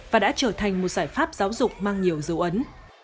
và đã trở thành một giải pháp giáo dục mang nhiều dấu ấn